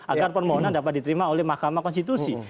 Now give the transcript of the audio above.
agar permohonan dapat diterima oleh mahkamah konstitusi